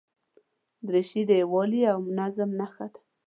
دریشي د یووالي او نظم نښه ده.